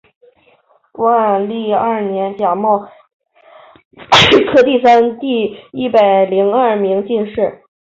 万历二年甲戌科第三甲第一百零二名进士。